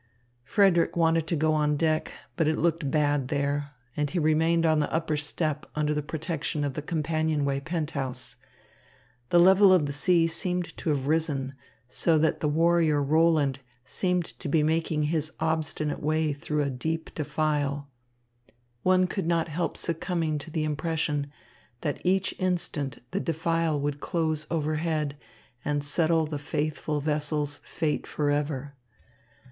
Frederick wanted to go on deck, but it looked bad there, and he remained on the upper step under the protection of the companionway penthouse. The level of the sea seemed to have risen, so that the warrior Roland appeared to be making his obstinate way through a deep defile. One could not help succumbing to the impression that each instant the defile would close overhead and settle the faithful vessel's fate forever.